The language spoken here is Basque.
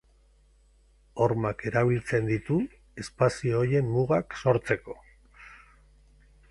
Hormak erabiltzen ditu espazio horien mugak sortzeko.